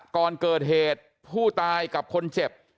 ก่อนเกิดเหตุผู้ตายกับคนเจ็บ